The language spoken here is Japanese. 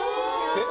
えっ？